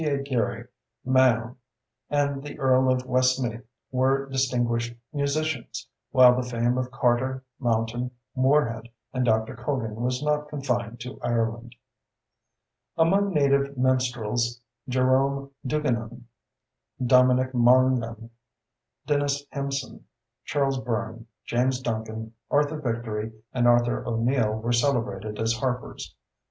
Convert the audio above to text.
A. Geary, Mahon, and the Earl of Westmeath were distinguished musicians while the fame of Carter, Mountain, Moorehead, and Dr. Cogan was not confined to Ireland. Among native minstrels, Jerome Duigenan, Dominic Mongan, Denis Hempson, Charles Byrne, James Duncan, Arthur Victory, and Arthur O'Neill were celebrated as harpers.